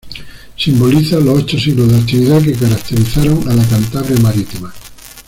Simboliza los ocho siglos de actividad que caracterizaron a la Cantabria marítima.